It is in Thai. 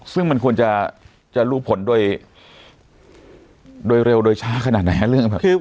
ซึ่งมันควรจะรูปผลโดยเร็วโดยช้าขนาดไหนครับ